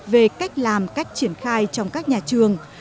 về cách làm cách triển khai trong các nhà trường